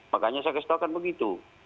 makanya saya kasih taukan begitu